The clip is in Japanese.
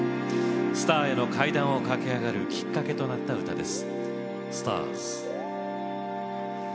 スターへの階段を駆け上がるきっかけとなった歌です